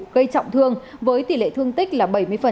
gây trọng thương với tỷ lệ thương tích là bảy mươi